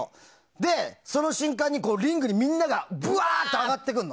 で、その瞬間にリングにみんながぶわーって上がってくるの。